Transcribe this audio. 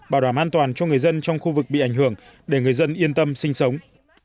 bảo đảm an toàn cho người dân trong khu vực bị ảnh hưởng để người dân yên tâm sinh sống